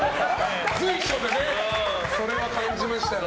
随所でそれは感じましたね。